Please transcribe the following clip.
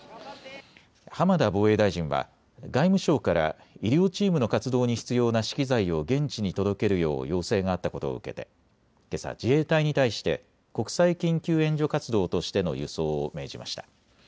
浜田防衛大臣は外務省から医療チームの活動に必要な資機材を現地に届けるよう要請があったことを受けてけさ自衛隊に対して国際緊急援助活動としての輸送を命じました。